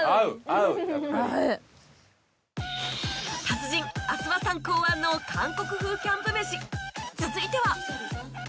達人阿諏訪さん考案の韓国風キャンプ飯続いては